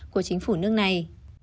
của chính phủ nước này